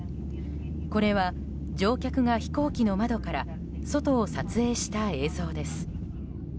これは、乗客が飛行機の窓から外を撮影した映像です。